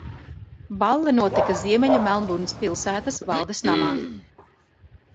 Balle notika Ziemeļu Melburnas pilsētas valdes namā.